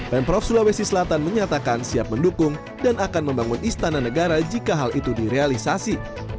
pemprov sulawesi selatan menyatakan siap mendukung dan akan membangun istana negara jika hal itu direalisasi